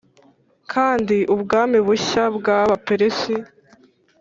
kandi ubwami bushya bwabaperesi